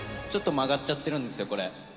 ちょっと曲がっちゃってるんですよ、これ。